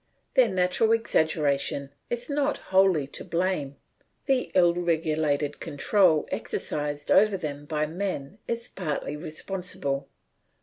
Their natural exaggeration is not wholly to blame; the ill regulated control exercised over them by men is partly responsible.